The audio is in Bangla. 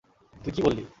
তুই কী বললি?